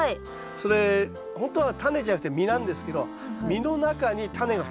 それほんとはタネじゃなくて実なんですけど実の中にタネが２つ入ってるんですよ。